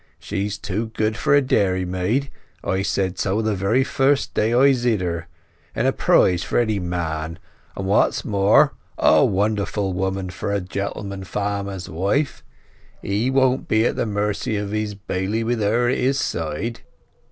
She's too good for a dairymaid—I said so the very first day I zid her—and a prize for any man; and what's more, a wonderful woman for a gentleman farmer's wife; he won't be at the mercy of his baily wi' her at his side."